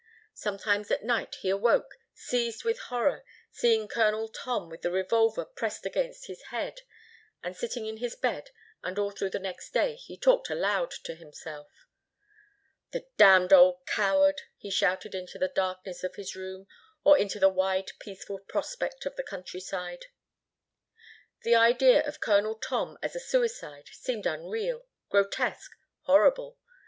Sometimes at night he awoke, seized with horror, seeing Colonel Tom with the revolver pressed against his head; and sitting in his bed, and all through the next day he talked aloud to himself. "The damned old coward," he shouted into the darkness of his room or into the wide peaceful prospect of the countryside. The idea of Colonel Tom as a suicide seemed unreal, grotesque, horrible.